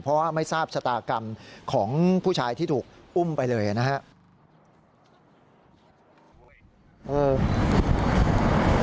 เพราะว่าไม่ทราบชะตากรรมของผู้ชายที่ถูกอุ้มไปเลยนะครับ